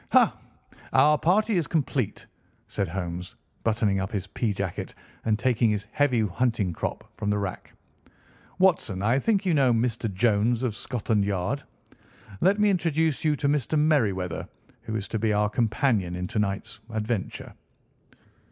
"Ha! Our party is complete," said Holmes, buttoning up his pea jacket and taking his heavy hunting crop from the rack. "Watson, I think you know Mr. Jones, of Scotland Yard? Let me introduce you to Mr. Merryweather, who is to be our companion in to night's adventure."